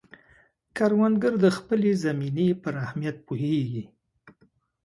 کروندګر د خپلې زمینې پر اهمیت پوهیږي